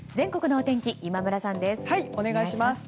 お願いします。